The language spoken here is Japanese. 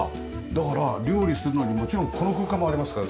だから料理するのにもちろんこの空間もありますから。